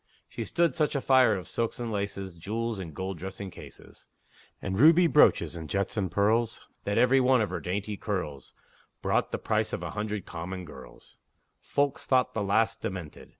She stood such a fire of silks and laces, Jewels and gold dressing cases, And ruby brooches, and jets and pearls, That every one of her dainty curls Brought the price of a hundred common girls; Folks thought the lass demented!